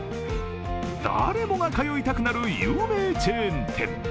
誰もが通いたくなる有名チェーン店。